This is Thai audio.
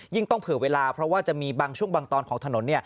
ต้องเผื่อเวลาเพราะว่าจะมีบางช่วงบางตอนของถนน